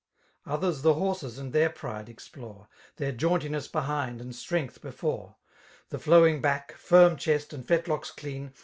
Others the horses and their pride explore, ' Their jauntiness behind and strength before; The flowing back, firm chest, and fetlocks clea».